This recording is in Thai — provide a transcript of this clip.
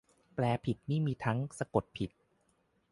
แปลผิดนี่มีทั้ง สะกดผิด